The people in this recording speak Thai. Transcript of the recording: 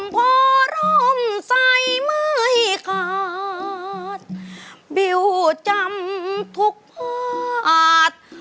เก่งมาก